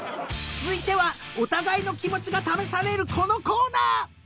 ［続いてはお互いの気持ちが試されるこのコーナー！］